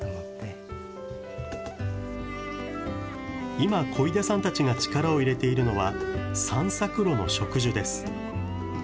今、小出さんたちが力を入れているのは、散策路の植樹です。